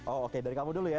oh oke dari kamu dulu ya